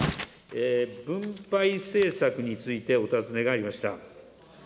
分配政策についてお尋ねがありました。